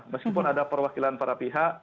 meskipun ada perwakilan para pihak